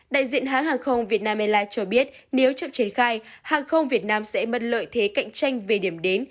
đại diện hãng hàng không việt nam airlines cho biết nếu chậm triển khai hàng không việt nam sẽ mất lợi thế cạnh tranh về điểm đến